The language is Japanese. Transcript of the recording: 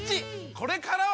これからは！